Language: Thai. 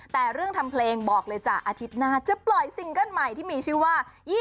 แต่เรื่องทำเพลงบอกเลยจ้ะอาทิตย์หน้าจะปล่อยซิงเกิ้ลใหม่ที่มีชื่อว่า